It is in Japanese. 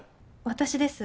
私です。